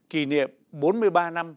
kỷ niệm bốn mươi ba năm